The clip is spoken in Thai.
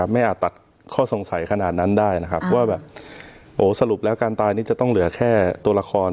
อาจตัดข้อสงสัยขนาดนั้นได้นะครับว่าแบบโอ้สรุปแล้วการตายนี้จะต้องเหลือแค่ตัวละคร